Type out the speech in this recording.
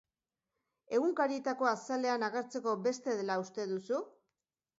Egunkarietako azalean agertzeko beste dela uste duzu?